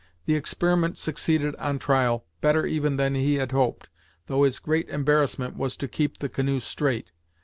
The experiment succeeded on trial, better even than he had hoped, though his great embarrassment was to keep the canoe straight.